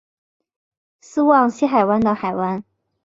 斯旺西海湾的海湾。